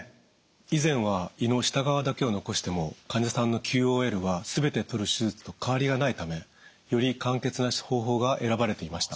以前は胃の下側だけを残しても患者さんのＱＯＬはすべてとる手術と変わりがないためより簡潔な方法が選ばれていました。